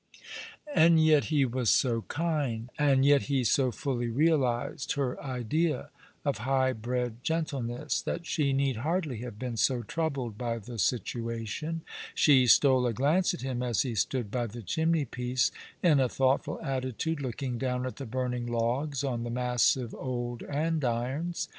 And yet he was so kind, and yet he so fully realized her idea of high bred gentleness, that she need hardly have been so troubled by the situation. She stole a glance at him as he stood by the chimney piece, in a thoughtful attitude, looking down at the burning logs on the massive old andirons.